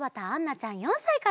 ちゃん４さいから。